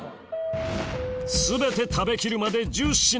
全て食べきるまで１０品